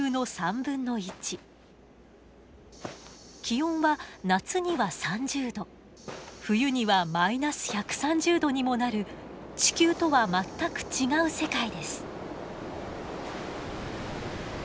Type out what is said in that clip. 気温は夏には３０℃冬には−１３０℃にもなる地球とは全く違う世界です。